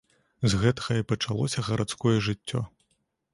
З гэтага і пачалося гарадское жыццё.